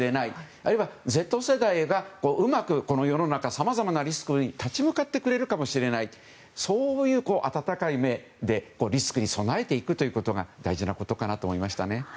あるいは、Ｚ世代がうまく世の中のさまざまなリスクに立ち向かってくれるかもしれないそういう温かい目でリスクに備えていくことが大事なことかなと思いましたね。